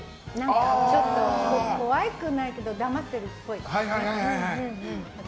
ちょっと、怖くないけど黙ってるっぽい。